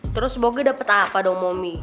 terus popi dapet apa dong momi